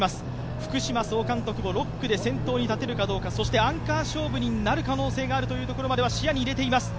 福嶋総監督も６区で先頭に立てるかどうか、そしてアンカー勝負になる可能性があるというところまでは視野に入れています。